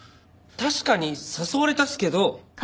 確かに誘われたっすけど。